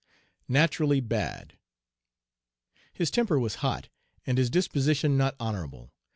NATURALLY BAD His temper was hot, and his disposition not honorable.